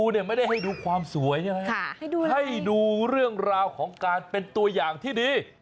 เนี่ยไม่ได้ให้ดูความสวยใช่ไหมให้ดูเรื่องราวของการเป็นตัวอย่างที่ดี